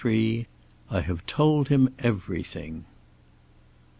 CHAPTER I. "I HAVE TOLD HIM EVERYTHING."